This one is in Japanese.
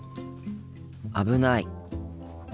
危ない。